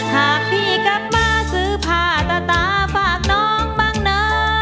หากพี่กลับมาซื้อผ้าตาฝากน้องบ้างนะ